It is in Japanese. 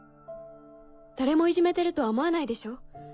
誰もいじめてるとは思わないでしょ？